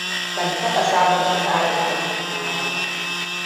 Ban taɓa sabunta tsarin aikina ba.